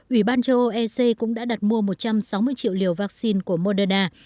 ủy ban châu âu ec cũng đã đặt mua một trăm sáu mươi triệu liều vaccine của moderna